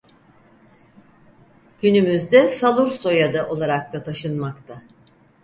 Günümüzde Salur Soyadı olarak da taşınmakta.